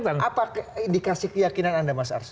apa indikasi keyakinan anda mas ars